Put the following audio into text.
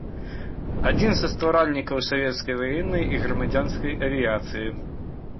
Адзін са стваральнікаў савецкай ваеннай і грамадзянскай авіяцыі.